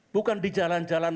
bukan di jalan jalan